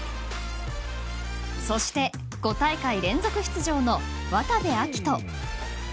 そして５大会連続出場の渡部暁斗。